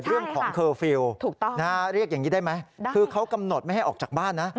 เคอร์ฟิลล์เรียกอย่างนี้ได้ไหมคือเขากำหนดไม่ให้ออกจากบ้านนะ